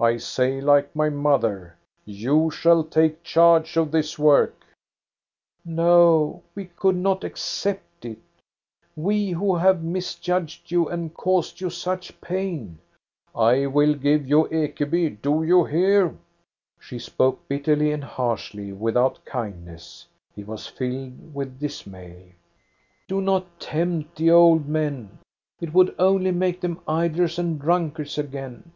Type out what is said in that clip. I say like my mother, * You shall take charge of this work !*"No, we could not accept it, — we who have mis judged you and caused you such pain !"" I will give you Ekeby, do you hear?" She spoke bitterly and harshly, without kindness. He was filled with dismay. Do not tempt the old men ! It would only make them idlers and drunkards again.